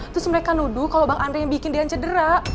terus mereka nuduh kalau bang andre yang bikin dia cedera